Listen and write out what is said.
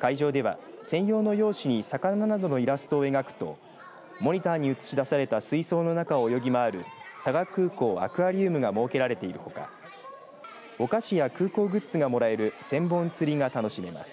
会場では、専用の用紙に魚などのイラストを描くとモニターに映し出された水槽の中を泳ぎ回る佐賀空港アクアリウムが設けられているほかお菓子や空港グッズがもらえる千本つりが楽しめます。